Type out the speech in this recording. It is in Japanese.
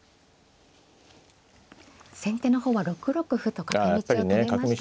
先手の方は６六歩と角道を止めました。